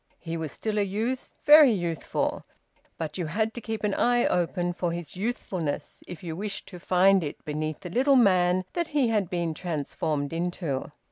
He was still a youth, very youthful, but you had to keep an eye open for his youthfulness if you wished to find it beneath the little man that he had been transformed into.